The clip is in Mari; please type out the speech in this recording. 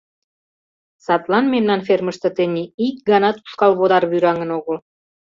Садлан мемнан фермыште тений ик ганат ушкал водар вӱраҥын огыл.